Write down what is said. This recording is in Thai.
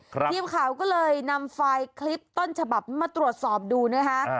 ทีมข่าวก็เลยนำไฟล์คลิปต้นฉบับมาตรวจสอบดูนะคะ